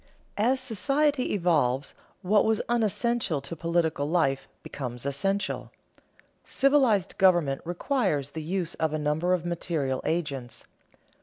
As society evolves, what was unessential to political life becomes essential. Civilized government requires the use of a number of material agents.